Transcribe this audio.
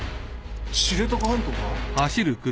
知床半島か？